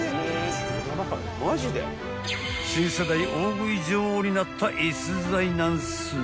［新世代大食い女王になった逸材なんす］